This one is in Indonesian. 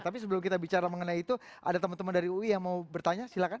tapi sebelum kita bicara mengenai itu ada teman teman dari ui yang mau bertanya silahkan